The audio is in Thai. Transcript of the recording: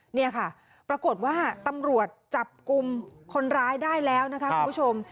เนี่ยค่ะปรากฏว่าตำรวจจับกลุ่มคนร้ายได้แล้วนะคะคุณผู้ชม